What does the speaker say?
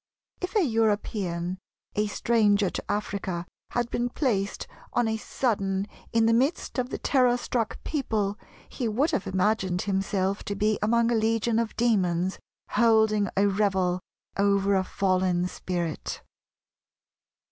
If a European, a stranger to Africa, had been placed on a sudden in the midst of the terror struck people, he would have imagined himself to be among a legion of demons, holding a revel over a fallen spirit."